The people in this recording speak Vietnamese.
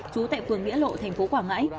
chú tại phường nghĩa lộ tp quảng ngãi